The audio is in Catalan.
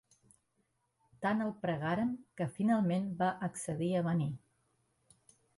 Tant el pregàrem, que finalment va accedir a venir.